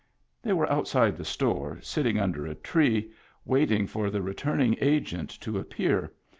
They were outside the store, sitting under a tree, wait ing for the returning Agent to appear.